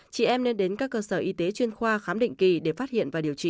chị em nên đến các cơ sở y tế chuyên khoa khám định kỳ để phát hiện và điều trị